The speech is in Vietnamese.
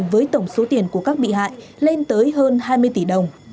với tổng số tiền của các bị hại lên tới hơn hai mươi tỷ đồng